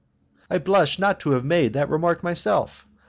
"I blush not to have made that remark myself.